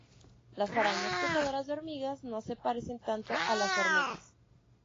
Las arañas cazadoras de hormigas no se parecen tanto a las hormigas.